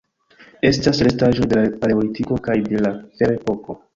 Estas restaĵoj de la Paleolitiko kaj de la Ferepoko.